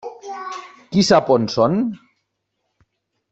Qui sap on són?